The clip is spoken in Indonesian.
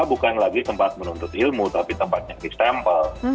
bukan lagi tempat menuntut ilmu tapi tempat nyaris tempel